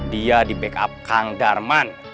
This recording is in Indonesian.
dia di backup kang darman